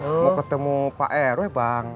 mau ketemu pak ero ya bang